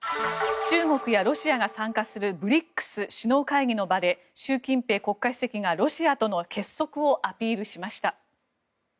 中国やロシアが参加するＢＲＩＣＳ首脳会議の場で習近平国家主席がロシアとの結束をアピールしました。